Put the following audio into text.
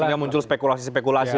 sehingga muncul spekulasi spekulasi